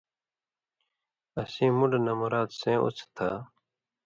اسیں مُون٘ڈہۡ نہ مراد سیں اُوڅھہۡ تھہ